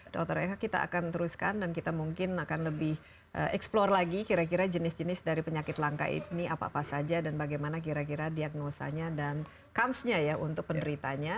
dr eka kita akan teruskan dan kita mungkin akan lebih eksplore lagi kira kira jenis jenis dari penyakit langka ini apa apa saja dan bagaimana kira kira diagnosanya dan kansnya ya untuk penderitanya